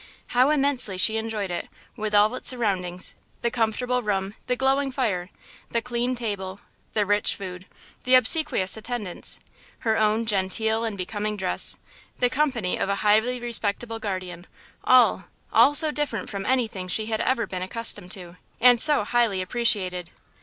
How immensely she enjoyed it, with all its surroundings–the comfortable room, the glowing fire, the clean table, the rich food, the obsequious attendance, her own genteel and becoming dress, the company of a highly respectable guardian–all, all so different from anything she had ever been accustomed to, and so highly appreciated.